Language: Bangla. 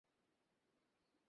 একে পথে কে বাহির করিয়াছে!